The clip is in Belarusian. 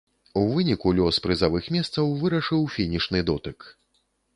У выніку лёс прызавых месцаў вырашыў фінішны дотык.